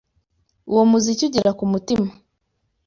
Uwo muziki ugera kumutima.